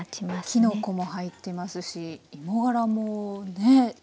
きのこも入ってますし芋がらもね。